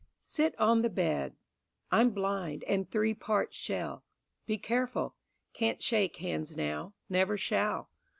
Sit on the bed; I'm blind, and three parts shell, Be careful; can't shake hands now; never shall.